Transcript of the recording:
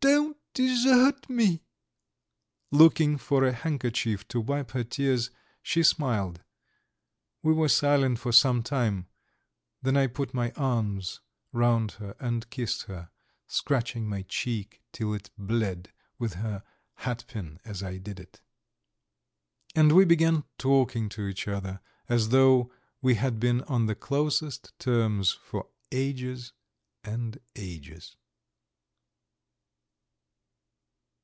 Don't desert me!" Looking for a handkerchief to wipe her tears she smiled; we were silent for some time, then I put my arms round her and kissed her, scratching my cheek till it bled with her hatpin as I did it. And we began talking to each other as though we had been on the closest terms for ages and ages.